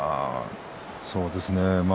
そうですね。